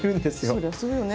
そりゃそうよね。